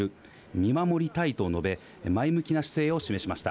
見守りたいと述べ、前向きな姿勢を示しました。